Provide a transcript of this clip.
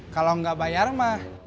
kalau gak bayar mah